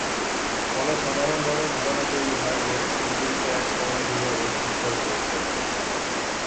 ফলে সাধারণভাবে ধারণা তৈরি হয় যে পৃথিবীতে এক স্বর্ণযুগের অভ্যুদয় হয়েছে।